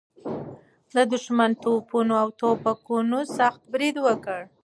د دښمن توپونه او توپکونه سخت برید وکړ.